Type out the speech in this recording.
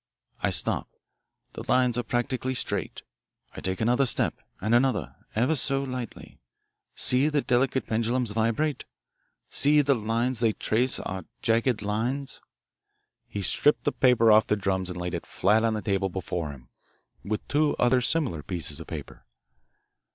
I stop; the lines are practically straight. I take another step and another, ever so lightly. See the delicate pendulums vibrate? See, the lines they trace are jagged lines." He stripped the paper off the drums and laid it flat on the table before him, with two other similar pieces of paper.